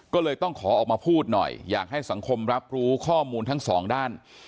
ก็เลยต้องขอออกมาพูดหน่อยอยากให้สังคมรับรู้ข้อมูลทั้งสองด้าน